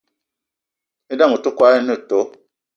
E'dam ote kwolo ene too